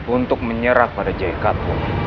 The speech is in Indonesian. untuk menyerah pada jekat